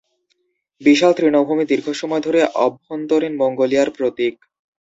বিশাল তৃণভূমি দীর্ঘ সময় ধরে অভ্যন্তরীণ মঙ্গোলিয়ার প্রতীক।